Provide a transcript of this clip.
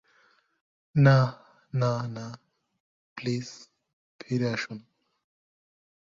না, না, না, প্লিজ ফিরে আসুন।